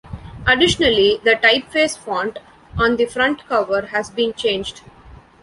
Additionally, the typeface font on the front cover has been changed.